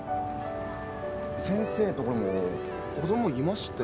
先生のところも子供いましたよね？